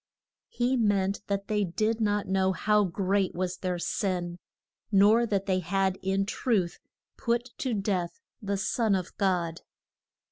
He meant that they did not know how great was their sin; nor that they had in truth put to death the son of God.